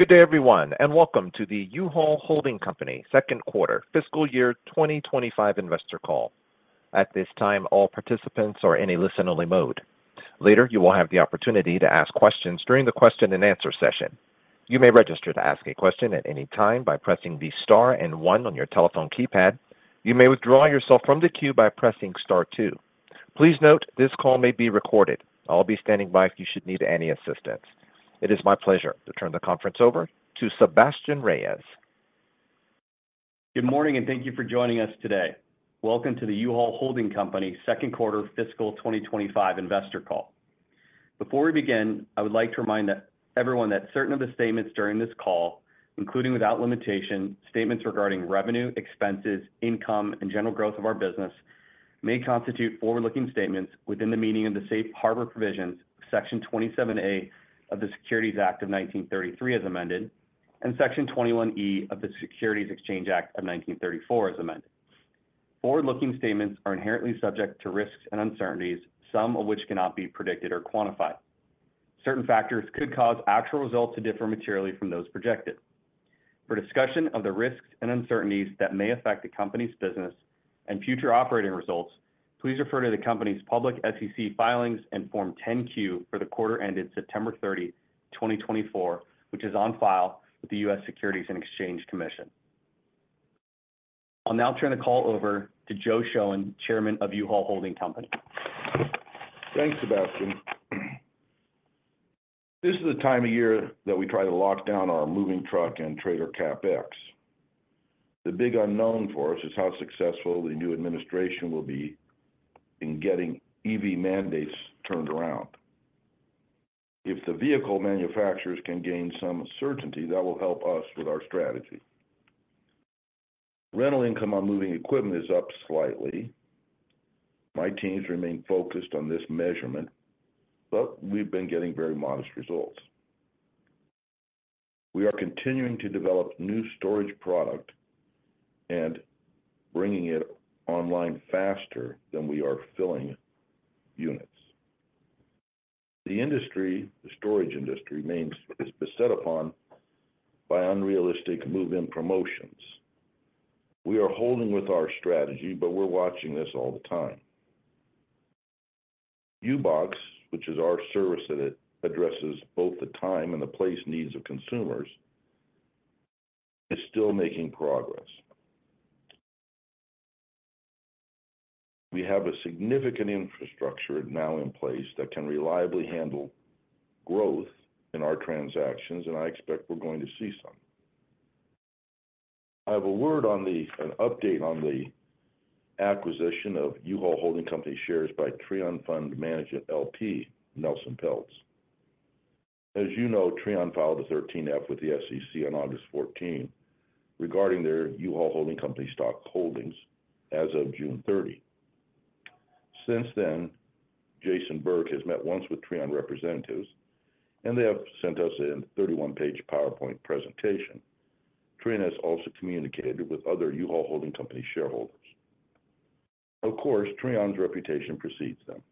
Good day, everyone, and welcome to the U-Haul Holding Company second quarter fiscal year 2025 investor call. At this time, all participants are in a listen-only mode. Later, you will have the opportunity to ask questions during the question-and-answer session. You may register to ask a question at any time by pressing the star and one on your telephone keypad. You may withdraw yourself from the queue by pressing star two. Please note, this call may be recorded. I'll be standing by if you should need any assistance. It is my pleasure to turn the conference over to Sebastien Reyes. Good morning, and thank you for joining us today. Welcome to the U-Haul Holding Company second quarter fiscal 2025 investor call. Before we begin, I would like to remind everyone that certain of the statements during this call, including without limitation, statements regarding revenue, expenses, income, and general growth of our business, may constitute forward-looking statements within the meaning of the safe harbor provisions of Section 27A of the Securities Act of 1933 as amended, and Section 21E of the Securities Exchange Act of 1934 as amended. Forward-looking statements are inherently subject to risks and uncertainties, some of which cannot be predicted or quantified. Certain factors could cause actual results to differ materially from those projected. For discussion of the risks and uncertainties that may affect the company's business and future operating results, please refer to the company's public SEC filings and Form 10-Q for the quarter ended September 30, 2024, which is on file with the U.S. Securities and Exchange Commission. I'll now turn the call over to Joe Shoen, Chairman of U-Haul Holding Company. Thanks, Sebastien. This is the time of year that we try to lock down our moving truck and trailer CapEx. The big unknown for us is how successful the new administration will be in getting EV mandates turned around. If the vehicle manufacturers can gain some certainty, that will help us with our strategy. Rental income on moving equipment is up slightly. My teams remain focused on this measurement, but we've been getting very modest results. We are continuing to develop new storage product and bringing it online faster than we are filling units. The industry, the storage industry, remains beset upon by unrealistic move-in promotions. We are holding with our strategy, but we're watching this all the time. U-Box, which is our service that addresses both the time and the place needs of consumers, is still making progress. We have a significant infrastructure now in place that can reliably handle growth in our transactions, and I expect we're going to see some. I have an update on the acquisition of U-Haul Holding Company shares by Trian Fund Management LP, Nelson Peltz. As you know, Trian filed a 13F with the SEC on August 14 regarding their U-Haul Holding Company stock holdings as of June 30. Since then, Jason Berg has met once with Trian representatives, and they have sent us a 31-page PowerPoint presentation. Trian has also communicated with other U-Haul Holding Company shareholders. Of course, Trian's reputation precedes them.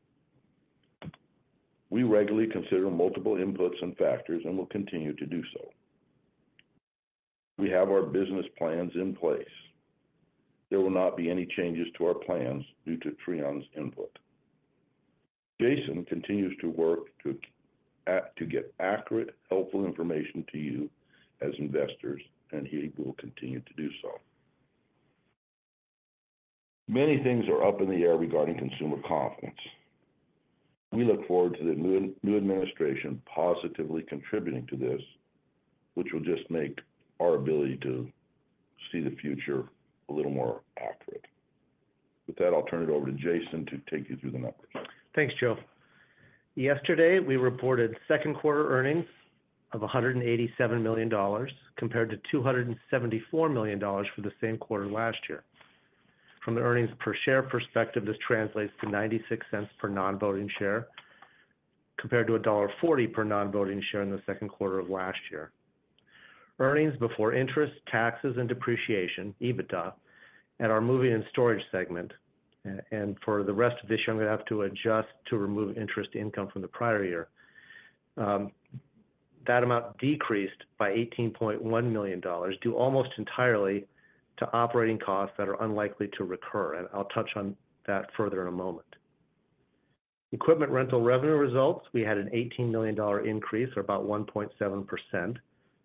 We regularly consider multiple inputs and factors and will continue to do so. We have our business plans in place. There will not be any changes to our plans due to Trian's input. Jason continues to work to get accurate, helpful information to you as investors, and he will continue to do so. Many things are up in the air regarding consumer confidence. We look forward to the new administration positively contributing to this, which will just make our ability to see the future a little more accurate. With that, I'll turn it over to Jason to take you through the numbers. Thanks, Joe. Yesterday, we reported second quarter earnings of $187 million compared to $274 million for the same quarter last year. From the earnings per share perspective, this translates to $0.96 per non-voting share compared to $1.40 per non-voting share in the second quarter of last year. Earnings Before Interest, Taxes, and Depreciation, EBITDA, and our moving and storage segment, and for the rest of this year, I'm going to have to adjust to remove interest income from the prior year. That amount decreased by $18.1 million due almost entirely to operating costs that are unlikely to recur, and I'll touch on that further in a moment. Equipment rental revenue results, we had an $18 million increase or about 1.7%.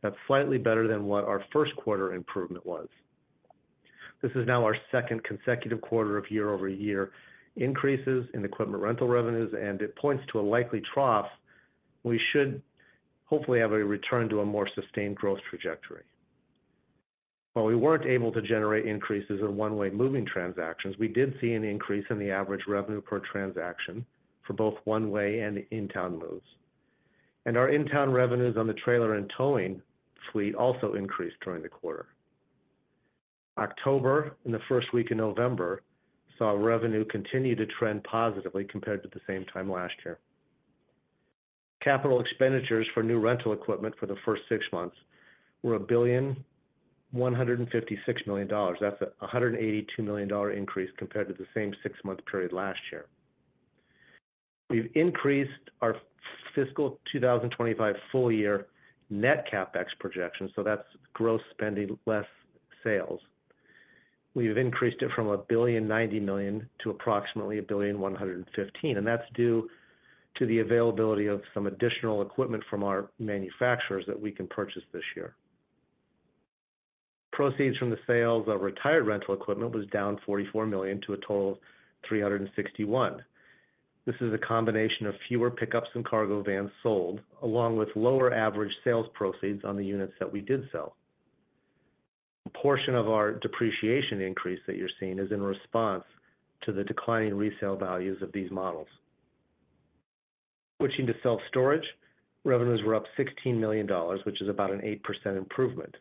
That's slightly better than what our first quarter improvement was. This is now our second consecutive quarter of year-over-year increases in equipment rental revenues, and it points to a likely trough. We should hopefully have a return to a more sustained growth trajectory. While we weren't able to generate increases in one-way moving transactions, we did see an increase in the average revenue per transaction for both one-way and in-town moves, and our in-town revenues on the trailer and towing fleet also increased during the quarter. October, in the first week in November, saw revenue continue to trend positively compared to the same time last year. Capital expenditures for new rental equipment for the first six months were $1,156 million. That's a $182 million increase compared to the same six-month period last year. We've increased our fiscal 2025 full-year net CapEx projection, so that's gross spending less sales. We've increased it from $1,090,000 to approximately $1,115,000, and that's due to the availability of some additional equipment from our manufacturers that we can purchase this year. Proceeds from the sales of retired rental equipment was down $44 million to a total of $361 million. This is a combination of fewer pickups and cargo vans sold, along with lower average sales proceeds on the units that we did sell. A portion of our depreciation increase that you're seeing is in response to the declining resale values of these models. Switching to self-storage, revenues were up $16 million, which is about an 8% improvement.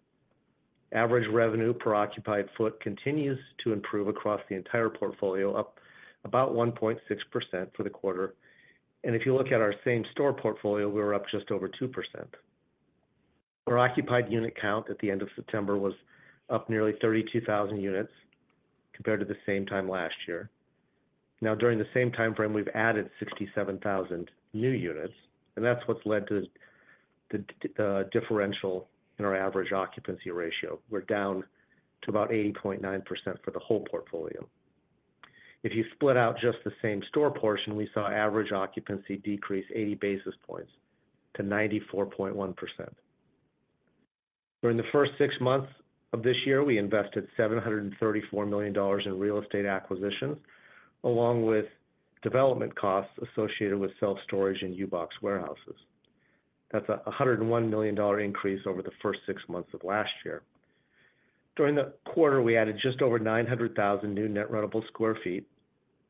Average revenue per occupied foot continues to improve across the entire portfolio, up about 1.6% for the quarter, and if you look at our same-store portfolio, we were up just over 2%. Our occupied unit count at the end of September was up nearly 32,000 units compared to the same time last year. Now, during the same time frame, we've added 67,000 new units, and that's what's led to the differential in our average occupancy ratio. We're down to about 80.9% for the whole portfolio. If you split out just the same-store portion, we saw average occupancy decrease 80 basis points to 94.1%. During the first six months of this year, we invested $734 million in real estate acquisitions, along with development costs associated with self-storage and U-Box warehouses. That's a $101 million increase over the first six months of last year. During the quarter, we added just over 900,000 new net rentable sq ft.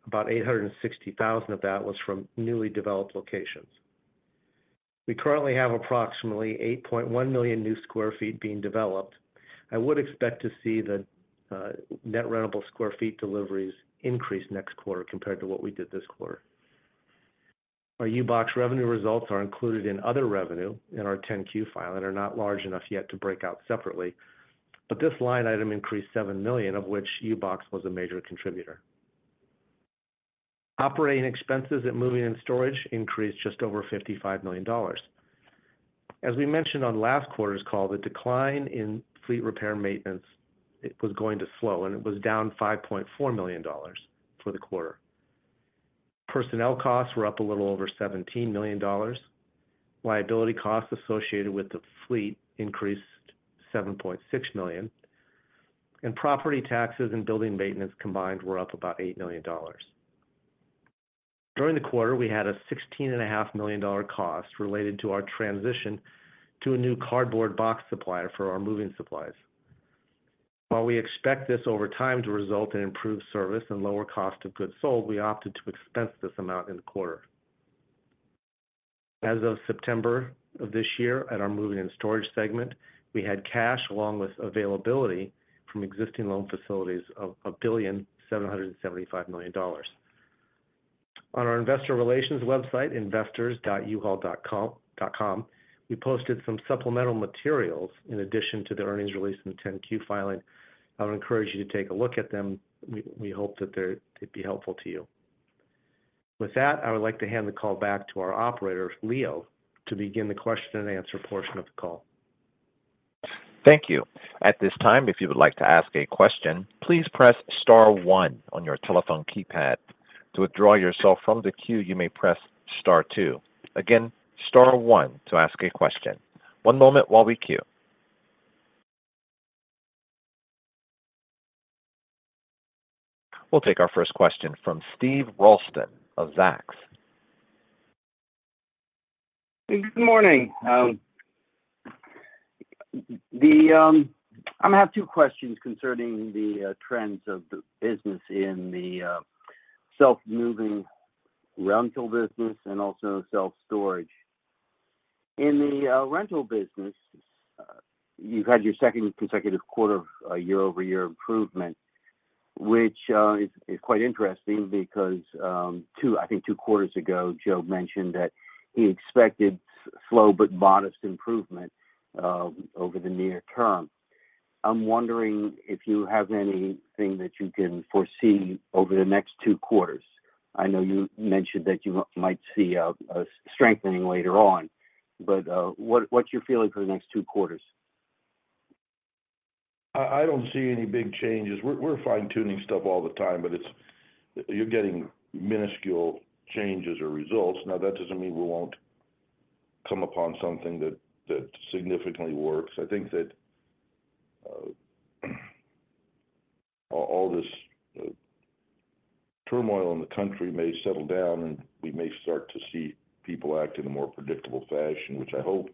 About 860,000 of that was from newly developed locations. We currently have approximately 8.1 million new sq ft being developed. I would expect to see the net rentable square feet deliveries increase next quarter compared to what we did this quarter. Our U-Box revenue results are included in other revenue in our 10-Q file and are not large enough yet to break out separately, but this line item increased $7 million, of which U-Box was a major contributor. Operating expenses at moving and storage increased just over $55 million. As we mentioned on last quarter's call, the decline in fleet repair maintenance was going to slow, and it was down $5.4 million for the quarter. Personnel costs were up a little over $17 million. Liability costs associated with the fleet increased $7.6 million, and property taxes and building maintenance combined were up about $8 million. During the quarter, we had a $16.5 million cost related to our transition to a new cardboard box supplier for our moving supplies. While we expect this over time to result in improved service and lower cost of goods sold, we opted to expense this amount in the quarter. As of September of this year, at our moving and storage segment, we had cash along with availability from existing loan facilities of $1,775 million. On our Investor Relations website, investors.uhaul.com, we posted some supplemental materials in addition to the earnings release and the 10-Q filing. I would encourage you to take a look at them. We hope that they'd be helpful to you. With that, I would like to hand the call back to our operator, Leo, to begin the question-and-answer portion of the call. Thank you. At this time, if you would like to ask a question, please press star one on your telephone keypad. To withdraw yourself from the queue, you may press star two. Again, star one to ask a question. One moment while we queue. We'll take our first question from Steven Ralston of Zacks. Good morning. I'm going to have two questions concerning the trends of the business in the self-moving rental business and also self-storage. In the rental business, you've had your second consecutive quarter of year-over-year improvement, which is quite interesting because, I think, two quarters ago, Joe mentioned that he expected slow but modest improvement over the near term. I'm wondering if you have anything that you can foresee over the next two quarters. I know you mentioned that you might see a strengthening later on, but what's your feeling for the next two quarters? I don't see any big changes. We're fine-tuning stuff all the time, but you're getting minuscule changes or results. Now, that doesn't mean we won't come upon something that significantly works. I think that all this turmoil in the country may settle down, and we may start to see people act in a more predictable fashion, which I hope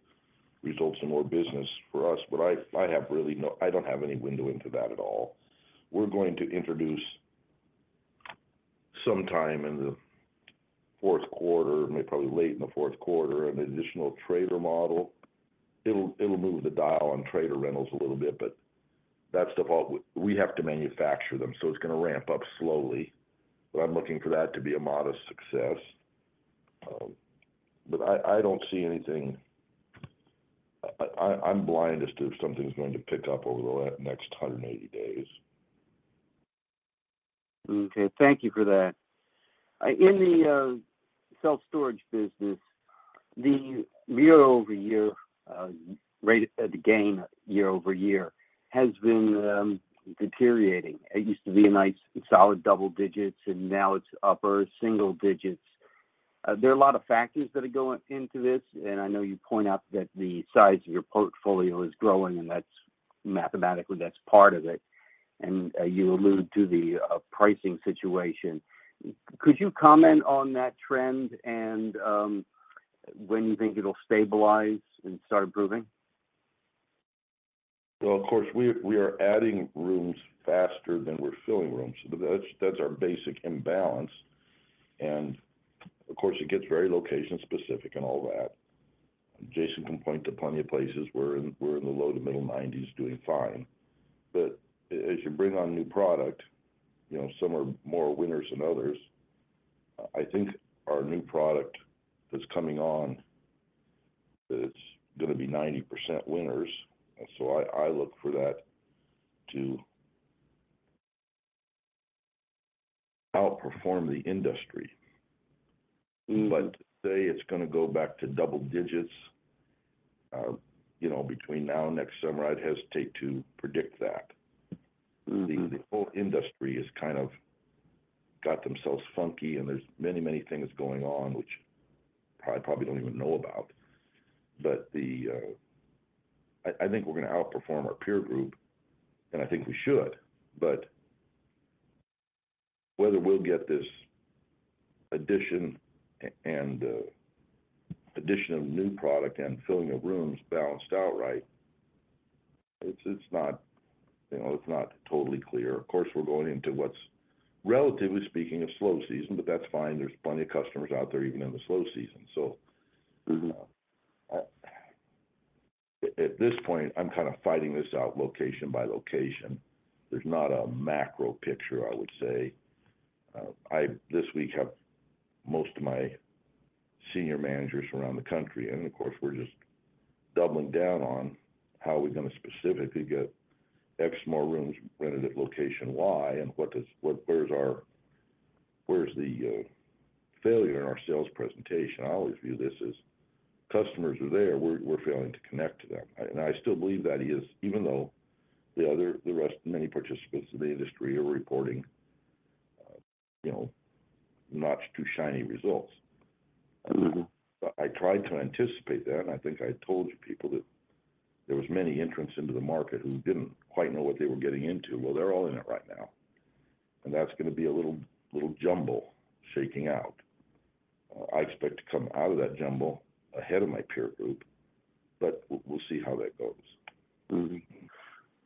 results in more business for us, but I have really no, I don't have any window into that at all. We're going to introduce sometime in the fourth quarter, maybe probably late in the fourth quarter, an additional trailer model. It'll move the dial on trailer rentals a little bit, but that's the fault. We have to manufacture them, so it's going to ramp up slowly, but I'm looking for that to be a modest success. But I don't see anything, I'm blind as to if something's going to pick up over the next 180 days. Okay. Thank you for that. In the self-storage business, the year-over-year rate of the gain year-over-year has been deteriorating. It used to be nice solid double digits, and now it's upper single digits. There are a lot of factors that are going into this, and I know you point out that the size of your portfolio is growing, and mathematically, that's part of it, and you allude to the pricing situation. Could you comment on that trend and when you think it'll stabilize and start improving? Of course, we are adding rooms faster than we're filling rooms. That's our basic imbalance. Of course, it gets very location-specific and all that. Jason can point to plenty of places where we're in the low-to-middle 90s doing fine. As you bring on new product, some are more winners than others. I think our new product that's coming on, it's going to be 90% winners. I look for that to outperform the industry. Say it's going to go back to double digits between now and next summer, I'd hesitate to predict that. The whole industry has kind of got themselves funky, and there's many, many things going on, which I probably don't even know about. I think we're going to outperform our peer group, and I think we should. But whether we'll get this addition and addition of new product and filling of rooms balanced out right, it's not totally clear. Of course, we're going into what's, relatively speaking, a slow season, but that's fine. There's plenty of customers out there even in the slow season. So at this point, I'm kind of fighting this out location by location. There's not a macro picture, I would say. This week, I have most of my senior managers around the country, and of course, we're just doubling down on how are we going to specifically get X more rooms rented at location Y, and where's the failure in our sales presentation? I always view this as customers are there, we're failing to connect to them. And I still believe that is, even though the rest of many participants in the industry are reporting not-too-shiny results. I tried to anticipate that. I think I told you people that there were many entrants into the market who didn't quite know what they were getting into. Well, they're all in it right now. And that's going to be a little jumble shaking out. I expect to come out of that jumble ahead of my peer group, but we'll see how that goes.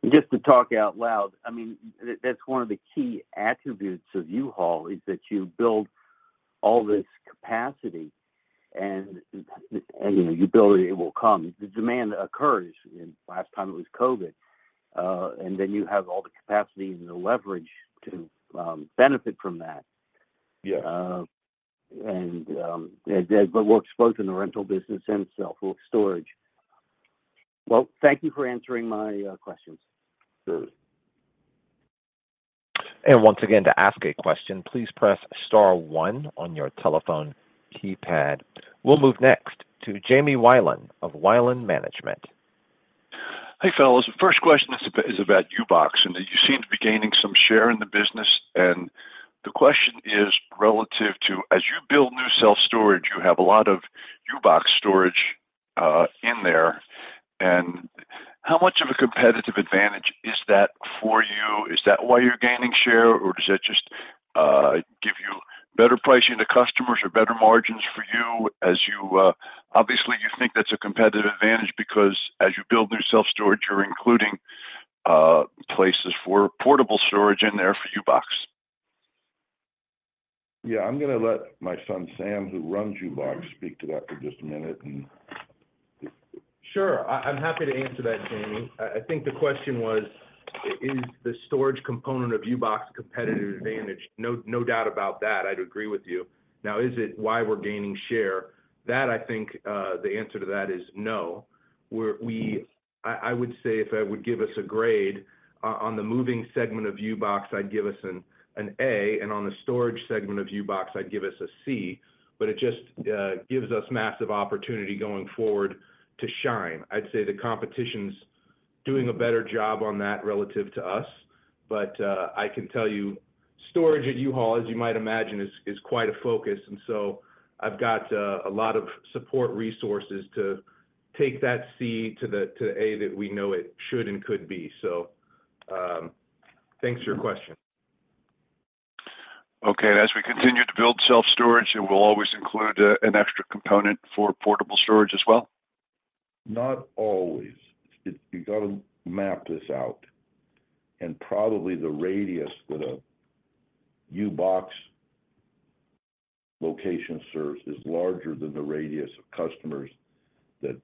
Just to talk out loud, I mean, that's one of the key attributes of U-Haul is that you build all this capacity, and you build it, it will come. The demand occurs. Last time it was COVID, and then you have all the capacity and the leverage to benefit from that. And that works both in the rental business and self-storage. Well, thank you for answering my questions. Sure. Once again, to ask a question, please press star one on your telephone keypad. We'll move next to Jamie Wilen of Wilen Management. Hey, fellas. First question is about U-Box, and you seem to be gaining some share in the business. And the question is relative to, as you build new self-storage, you have a lot of U-Box storage in there. And how much of a competitive advantage is that for you? Is that why you're gaining share, or does that just give you better pricing to customers or better margins for you? Obviously, you think that's a competitive advantage because as you build new self-storage, you're including places for portable storage in there for U-Box. Yeah. I'm going to let my son Sam, who runs U-Box, speak to that for just a minute. Sure. I'm happy to answer that, Jamie. I think the question was, is the storage component of U-Box a competitive advantage? No doubt about that. I'd agree with you. Now, is it why we're gaining share? That, I think the answer to that is no. I would say if I would give us a grade on the moving segment of U-Box, I'd give us an A. And on the storage segment of U-Box, I'd give us a C. But it just gives us massive opportunity going forward to shine. I'd say the competition's doing a better job on that relative to us. But I can tell you storage at U-Haul, as you might imagine, is quite a focus. And so I've got a lot of support resources to take that C to the A that we know it should and could be. So thanks for your question. Okay. As we continue to build self-storage, will we always include an extra component for portable storage as well? Not always. You got to map this out. And probably the radius that a U-Box location serves is larger than the radius of customers that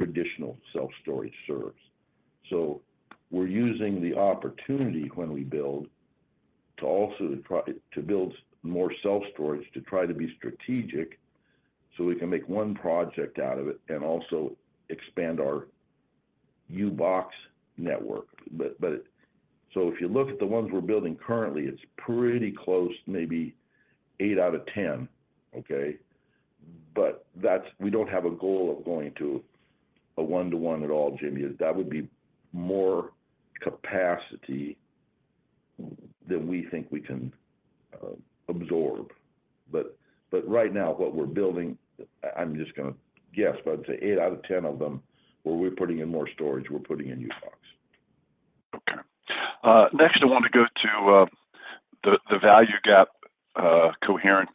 traditional self-storage serves. So we're using the opportunity when we build to also build more self-storage to try to be strategic so we can make one project out of it and also expand our U-Box network. So if you look at the ones we're building currently, it's pretty close, maybe eight out of 10, okay? But we don't have a goal of going to a one-to-one at all, Jamie. That would be more capacity than we think we can absorb. But right now, what we're building, I'm just going to guess, but I'd say eight out of 10 of them, where we're putting in more storage, we're putting in U-Box. Okay. Next, I want to go to the value gap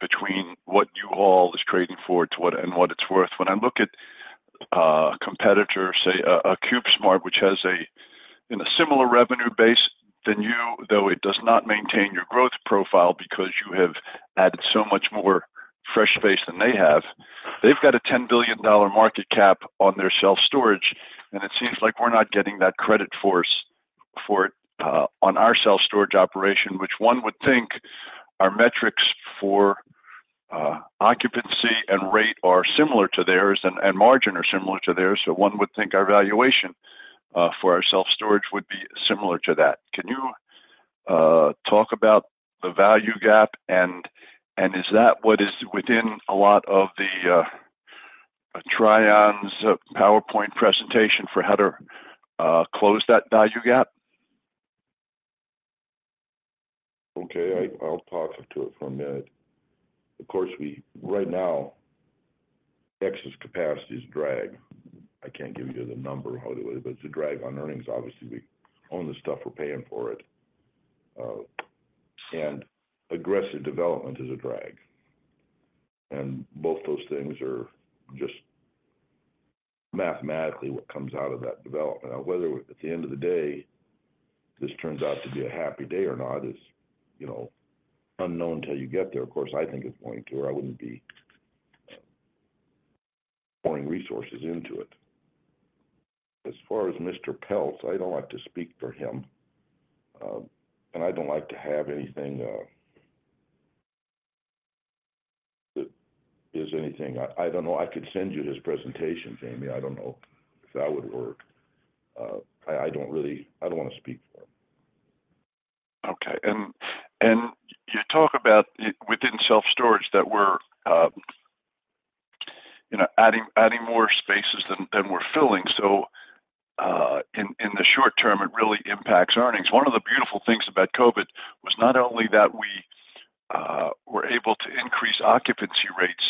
between what U-Haul is trading for and what it's worth. When I look at a competitor, say, a CubeSmart, which has a similar revenue base than you, though it does not maintain your growth profile because you have added so much more fresh space than they have. They've got a $10 billion market cap on their self-storage, and it seems like we're not getting that credit for it on our self-storage operation, which one would think our metrics for occupancy and rate are similar to theirs and margin are similar to theirs. So one would think our valuation for our self-storage would be similar to that. Can you talk about the value gap, and is that what is within a lot of the Trian's PowerPoint presentation for how to close that value gap? Okay. I'll talk to it for a minute. Of course, right now, excess capacity is a drag. I can't give you the number of how it is, but it's a drag on earnings. Obviously, we own the stuff. We're paying for it. And aggressive development is a drag. And both those things are just mathematically what comes out of that development. Now, whether at the end of the day this turns out to be a happy day or not is unknown until you get there. Of course, I think it's going to, or I wouldn't be pouring resources into it. As far as Mr. Peltz, I don't like to speak for him, and I don't like to have anything that is anything. I don't know. I could send you his presentation, Jamie. I don't know if that would work. I don't want to speak for him. Okay. And you talk about within self-storage that we're adding more spaces than we're filling. So in the short term, it really impacts earnings. One of the beautiful things about COVID was not only that we were able to increase occupancy rates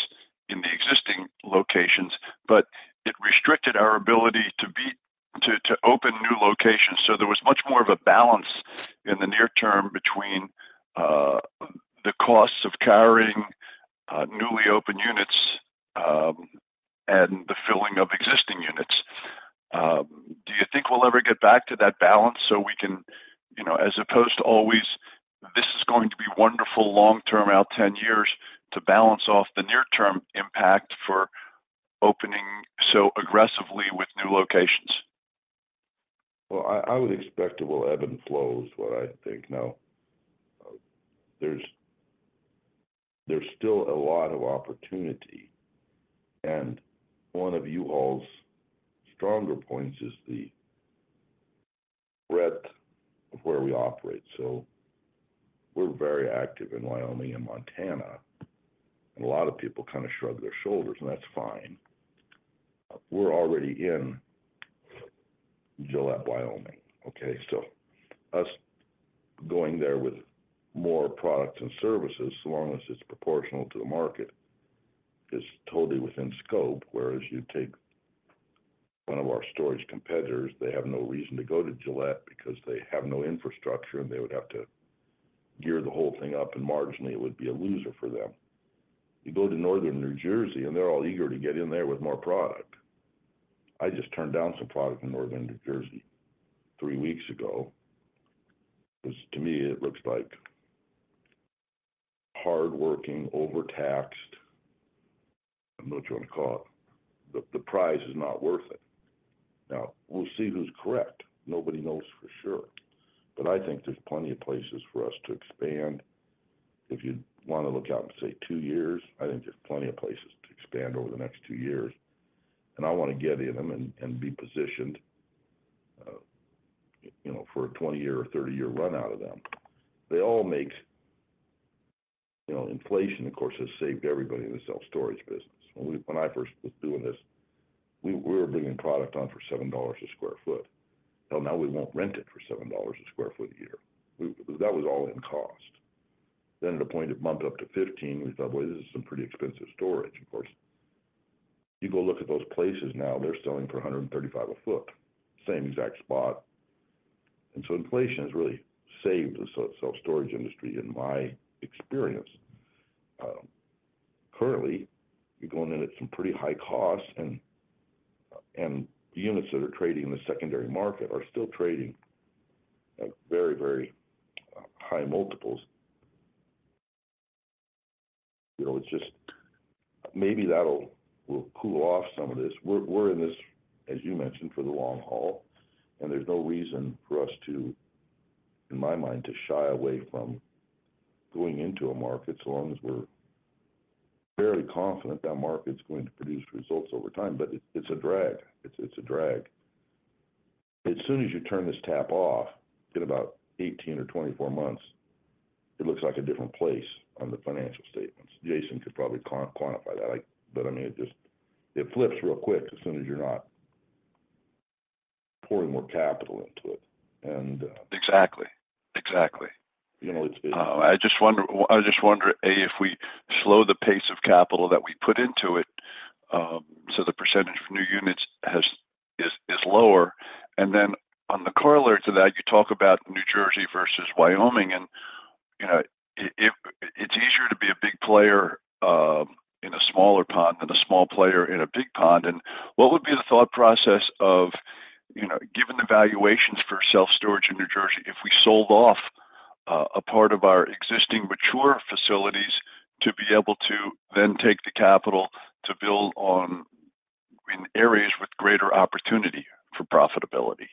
in the existing locations, but it restricted our ability to open new locations. So there was much more of a balance in the near term between the costs of carrying newly opened units and the filling of existing units. Do you think we'll ever get back to that balance so we can, as opposed to always, "This is going to be wonderful long-term out 10 years," to balance off the near-term impact for opening so aggressively with new locations? I would expect it will ebb and flow, is what I think. Now, there's still a lot of opportunity. One of U-Haul's stronger points is the breadth of where we operate. We're very active in Wyoming and Montana, and a lot of people kind of shrug their shoulders, and that's fine. We're already in Gillette, Wyoming, okay? Us going there with more products and services, as long as it's proportional to the market, is totally within scope. Whereas you take one of our storage competitors, they have no reason to go to Gillette because they have no infrastructure, and they would have to gear the whole thing up, and marginally, it would be a loser for them. You go to Northern New Jersey, and they're all eager to get in there with more product. I just turned down some product in Northern New Jersey three weeks ago. To me, it looks like hardworking, overtaxed—I don't know what you want to call it—but the price is not worth it. Now, we'll see who's correct. Nobody knows for sure. But I think there's plenty of places for us to expand. If you want to look out and say two years, I think there's plenty of places to expand over the next two years. And I want to get in them and be positioned for a 20-year or 30-year run out of them. They all make—inflation, of course, has saved everybody in the self-storage business. When I first was doing this, we were bringing product on for $7 a sq ft. Now, we won't rent it for $7 a sq ft a year. That was all in cost. Then at a point, it bumped up to $15. We thought, "Well, this is some pretty expensive storage." Of course, you go look at those places now, they're selling for $135 a foot. Same exact spot, and so inflation has really saved the self-storage industry, in my experience. Currently, you're going in at some pretty high costs, and the units that are trading in the secondary market are still trading at very, very high multiples. Maybe that'll cool off some of this. We're in this, as you mentioned, for the long haul, and there's no reason for us, in my mind, to shy away from going into a market so long as we're fairly confident that market's going to produce results over time, but it's a drag. It's a drag. As soon as you turn this tap off, in about 18 or 24 months, it looks like a different place on the financial statements. Jason could probably quantify that. But I mean, it flips real quick as soon as you're not pouring more capital into it. And. Exactly. Exactly. I just wonder, A, if we slow the pace of capital that we put into it so the percentage of new units is lower. And then on the corollary to that, you talk about New Jersey versus Wyoming, and it's easier to be a big player in a small pond than a small player in a big pond. And what would be the thought process of given the valuations for self-storage in New Jersey if we sold off a part of our existing mature facilities to be able to then take the capital to build on in areas with greater opportunity for profitability?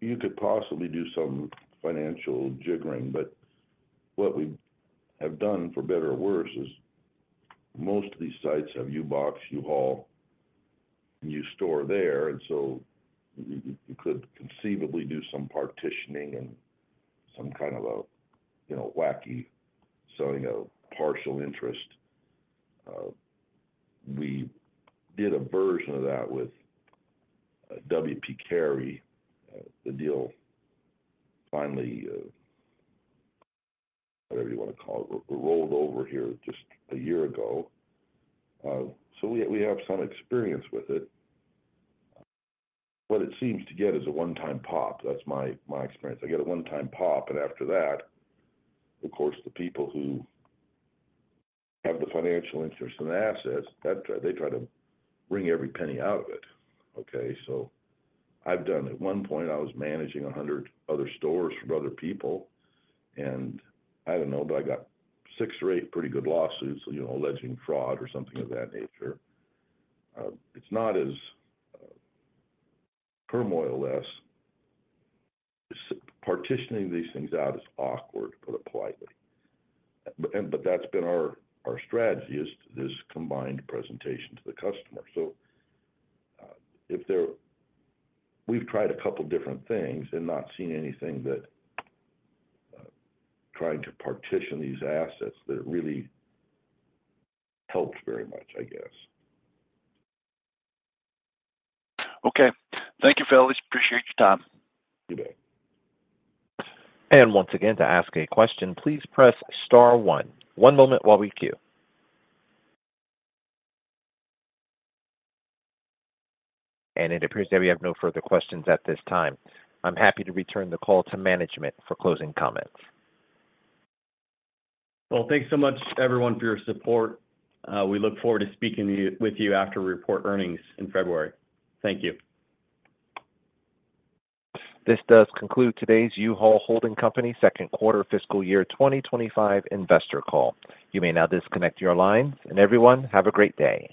You could possibly do some financial jiggering, but what we have done, for better or worse, is most of these sites have U-Box, U-Haul, and you store there. And so you could conceivably do some partitioning and some kind of a wacky selling of partial interest. We did a version of that with W. P. Carey. The deal finally, whatever you want to call it, rolled over here just a year ago. So we have some experience with it. What it seems to get is a one-time pop. That's my experience. I get a one-time pop, and after that, of course, the people who have the financial interest in the assets, they try to bring every penny out of it, okay? So at one point, I was managing 100 other stores from other people, and I don't know, but I got six or eight pretty good lawsuits alleging fraud or something of that nature. It's not as turmoil-less. Partitioning these things out is awkward, to put it politely. But that's been our strategy, is this combined presentation to the customer. So we've tried a couple of different things and not seen anything that trying to partition these assets that really helped very much, I guess. Okay. Thank you, fellas. Appreciate your time. You bet. And once again, to ask a question, please press star one. One moment while we queue. And it appears that we have no further questions at this time. I'm happy to return the call to management for closing comments. Thanks so much, everyone, for your support. We look forward to speaking with you after we report earnings in February. Thank you. This does conclude today's U-Haul Holding Company second quarter fiscal year 2025 investor call. You may now disconnect your lines. And everyone, have a great day.